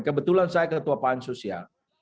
kebetulan saya ketua pansus ya